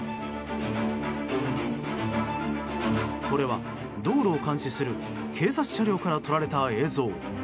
これは道路を監視する警察車両から撮られた映像。